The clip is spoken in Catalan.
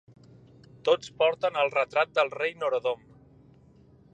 Tots porten el retrat del rei Norodom.